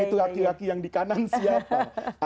itu laki laki yang di kanan siapa